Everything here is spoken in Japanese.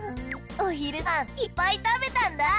お昼ご飯いっぱい食べたんだ！